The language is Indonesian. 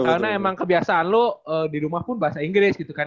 karena emang kebiasaan lu di rumah pun bahasa inggris gitu kan ya